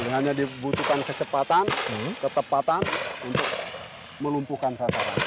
hanya dibutuhkan kecepatan ketepatan untuk melumpuhkan sasaran